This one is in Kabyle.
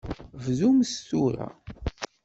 Bdumt tura.